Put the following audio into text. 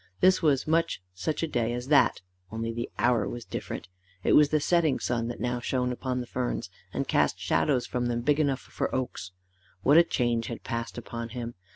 This was much such a day as that, only the hour was different: it was the setting sun that now shone upon the ferns, and cast shadows from them big enough for oaks. What a change had passed upon him!